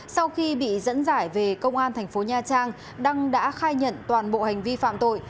sau khi bị dẫn giải về công an thành phố nha trang đăng đã khai nhận toàn bộ hành vi phạm tội